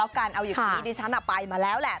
เอาอย่างนี้ดิฉันออกไปมาแล้วแหละ